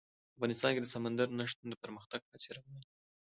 افغانستان کې د سمندر نه شتون د پرمختګ هڅې روانې دي.